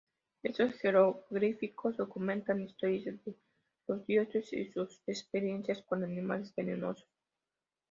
Estos jeroglíficos documentan las historias de los dioses y sus experiencias con animales venenosos.